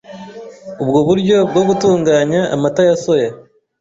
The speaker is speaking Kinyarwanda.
Ubwo buryo bwo gutunganya amata ya soya